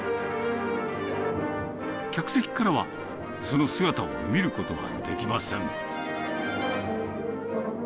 客席からは、その姿を見ることはできません。